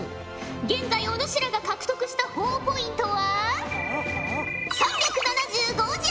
現在お主らが獲得したほぉポイントは３７５じゃ！